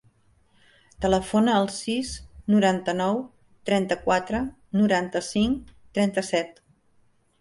Telefona al sis, noranta-nou, trenta-quatre, noranta-cinc, trenta-set.